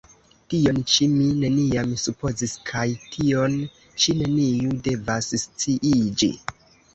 tion ĉi mi neniam supozis kaj tion ĉi neniu devas sciiĝi!